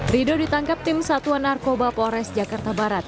rido ditangkap tim satuan narkoba polres jakarta barat